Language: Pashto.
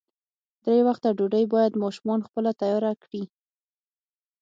درې وخته ډوډۍ باید ماشومان خپله تیاره کړي.